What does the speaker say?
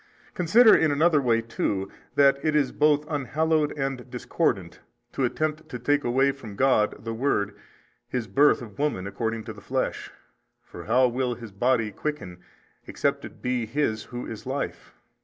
A. Consider in another way too that it is both unhallowed and discordant to attempt to take away from God the Word His Birth of woman according to the flesh: for how will His Body quicken except it be His Who is Life?